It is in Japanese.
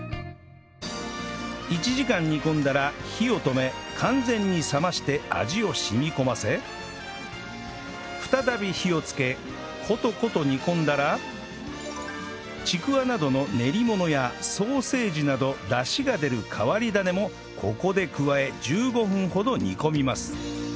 １時間煮込んだら火を止め完全に冷まして味を染み込ませ再び火をつけコトコト煮込んだらちくわなどの練り物やソーセージなどダシが出る変わり種もここで加え１５分ほど煮込みます